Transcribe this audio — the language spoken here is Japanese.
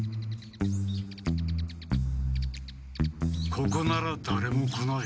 ここならだれも来ない。